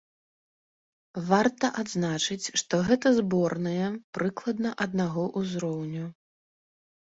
Варта адзначыць, што гэта зборныя прыкладна аднаго ўзроўню.